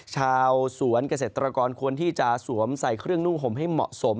ชาวสวนเกษตรกรควรที่จะสวมใส่เครื่องนุ่งห่มให้เหมาะสม